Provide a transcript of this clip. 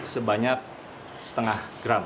sebanyak setengah gram